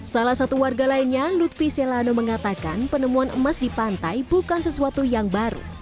salah satu warga lainnya lutfi selano mengatakan penemuan emas di pantai bukan sesuatu yang baru